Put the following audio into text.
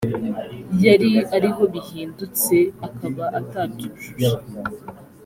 yari ariho bihindutse akaba atabyujuje